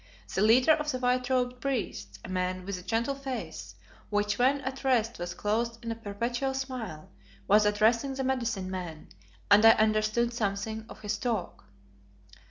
The leader of the white robed priests, a man with a gentle face, which when at rest was clothed in a perpetual smile, was addressing the medicine man, and I understood something of his talk.